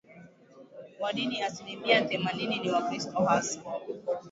wa dini asilimia themanini ni Wakristo hasa